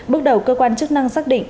bước đầu cơ quan chức năng xác định